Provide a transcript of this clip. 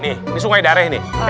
ini sungai dareh nih